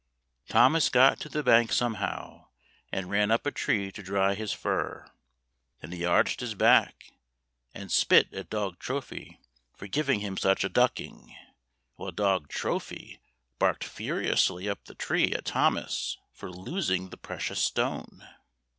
Thomas got to the bank somehow, and ran up a tree to dry his fur. Then he arched his back and spit at dog Trophy for giving him such a ducking; while dog Trophy [ 61 ] FAVORITE FAIRY TALES RETOLD barked furiously up the tree at Thomas for losing the precious stone.